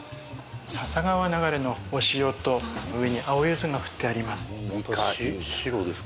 笹川流れのお塩と上に青ゆずがふってあります